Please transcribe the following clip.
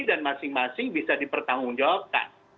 dan masing masing bisa dipertanggungjawabkan